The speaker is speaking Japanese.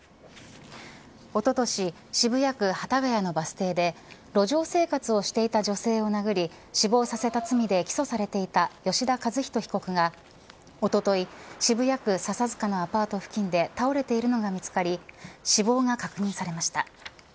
おととし、渋谷区幡ケ谷のバス停で路上生活をしていた女性を殴り死亡させた罪で起訴されていた吉田和人被告がおととい渋谷区笹塚のアパート付近で倒れているのが見つかり死亡が確認されました。